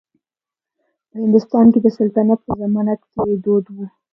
په هندوستان کې د سلطنت په زمانه کې دود و.